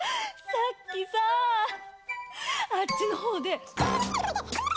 さっきさぁあっちのほうで。